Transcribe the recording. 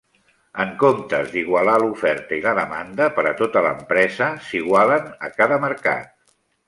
En comptes d'igualar l'oferta i la demanda per a tota l'empresa, s'igualen a cada mercat.